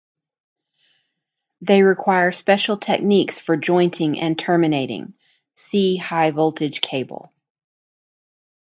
They require special techniques for jointing and terminating, see High-voltage cable.